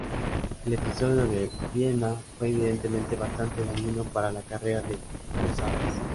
El episodio de Viena fue evidentemente bastante dañino para la carrera de Mozart.